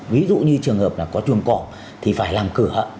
ví dụ như trường hợp là có chuồng cổ thì phải làm cửa